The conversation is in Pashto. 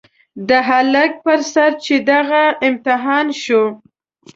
د هلک په سر چې دغه امتحان شو.